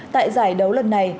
tại giải đấu lần này